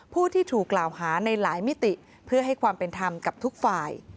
ผู้ที่ถูกกล่าวหาในหลายมิติเพื่อให้ความเป็นธรรมกับทุกฝ่าย